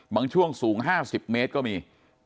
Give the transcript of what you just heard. ช่วงสูง๕๐เมตรก็มี